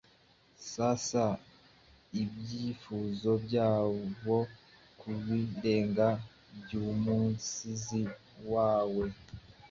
Sasa ibyifuzo byabo kubirenge byumusizi wawe. ;